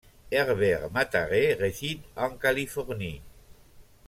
Herbert Mataré réside en Californie.